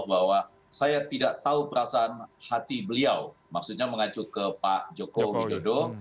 bahwa saya tidak tahu perasaan hati beliau maksudnya mengacu ke pak joko widodo